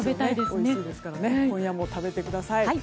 おいしいですから今夜も食べてください。